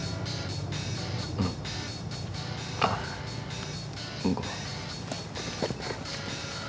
うんあっごめん。